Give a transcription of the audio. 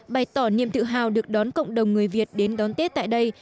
bày tỏ niềm tự hào được đón cộng đồng người việt đến đón tết tại đây